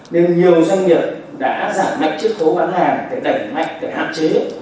nên nhiều doanh nghiệp đã giảm mạnh chiếc thố bán hàng để đẩy mạnh để hạn chế